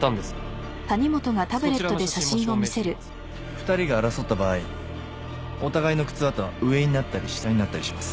２人が争った場合お互いの靴跡は上になったり下になったりします。